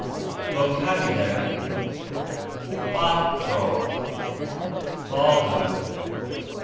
VOCABULARY. pAtro : father.